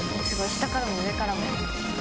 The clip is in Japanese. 下からも上からも。